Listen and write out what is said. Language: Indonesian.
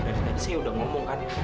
dokter dari tadi saya udah ngomong kan